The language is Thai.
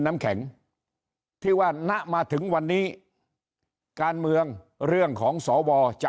น้ำแข็งที่ว่าณมาถึงวันนี้การเมืองเรื่องของสวจะ